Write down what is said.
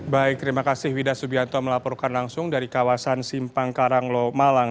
baik terima kasih wida subianto melaporkan langsung dari kawasan simpang karanglo malang